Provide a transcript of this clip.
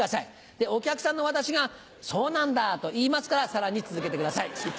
でお客さんの私が「そうなんだ」と言いますからさらに続けてください。